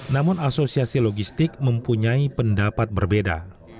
namun asosiasi logistik mempunyai pendapat berbeda